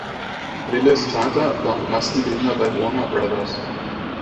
Willis’ Vater war Maskenbildner bei Warner Brothers.